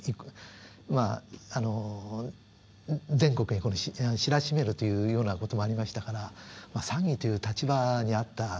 全国に知らしめるというような事もありましたから参議という立場にあった西郷がですね